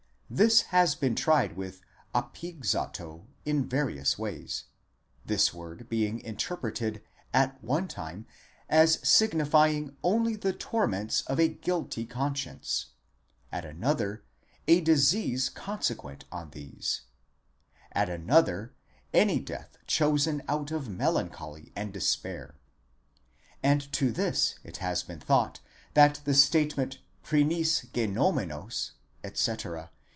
This has been tried with ἀπήγξατο in various ways ; this word being interpreted at one time as signifying only the torments of a guilty conscience,' at another, a disease consequent on these,® at another, any death chosen out of melancholy and despair ;* and to this it has been thought that the statement πρηνὴς γενόμενος κ. τ. A.